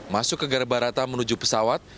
masuk ke garbarata menuju pesawat